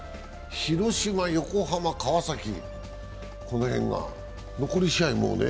広島、横浜、川崎、この辺が残り試合